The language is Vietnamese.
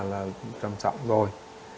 là trầm trọng rồi